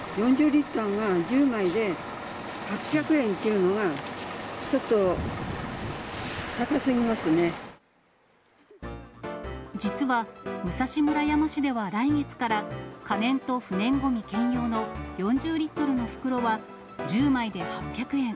４０リットルが１０枚で８００円っていうのは、実は、武蔵村山市では来月から、可燃と不燃ごみ兼用の４０リットルの袋は、１０枚で８００円。